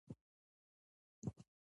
آیا د یو مسوول هیواد په توګه نه دی؟